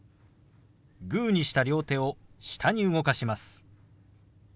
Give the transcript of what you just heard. グーにした両手を下に動かします。